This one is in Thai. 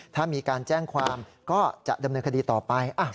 ถ้ามีการแจ้งความก็จะดำเนินคดีต่อไป